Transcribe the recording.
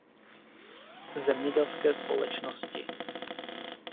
Zemědělské společnosti.